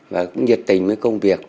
và cũng nhiệt tình với công việc